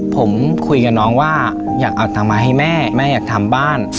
ผมคุยกับน้องว่าอยากเอาตังค์มาให้แม่แม่อยากทำบ้าน